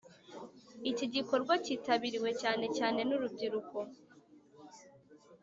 Iki gikorwa cyitabiriwe cyane cyane n’urubyiruko